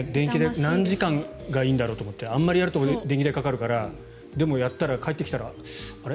何時間がいいんだろうと思ってあまりやると電気代かかるからでも、やったら帰ってきたらあれっ。